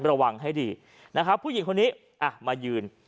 ระวังให้ดีนะครับผู้หญิงคนนี้อ่ะมายืน